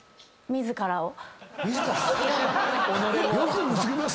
「自らを」。